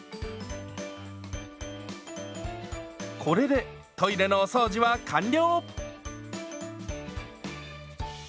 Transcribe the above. これでトイレのお掃除は完了！